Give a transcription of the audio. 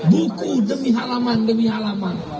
buku demi halaman demi halaman